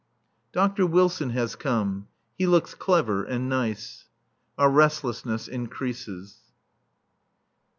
(Dr. Wilson has come. He looks clever and nice.) Our restlessness increases.